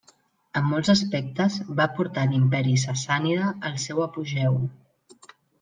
En molts aspectes, va portar l'Imperi sassànida al seu apogeu.